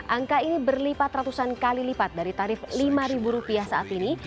angka ini berlipat ratusan kali lipat dari tarif lima rupiah saat ini